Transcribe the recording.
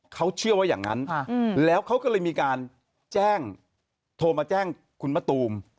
เขาเชื่อว่าอย่างนั้นแล้วเขาก็เลยมีการแจ้งโทรมาแจ้งคุณมะตูม